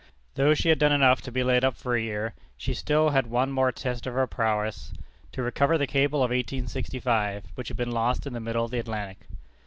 Though she had done enough to be laid up for a year, still she had one more test of her prowess to recover the cable of 1865, which had been lost in the middle of the Atlantic.